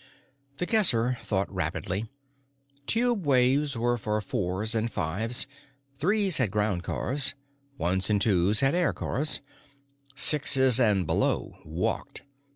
The Guesser thought rapidly. Tubeways were for Fours and Fives. Threes had groundcars; Ones and Twos had aircars; Sixes and below walked.